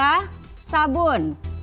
dan juga sabun